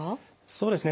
そうですね。